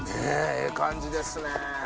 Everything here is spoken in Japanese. ええ感じですね。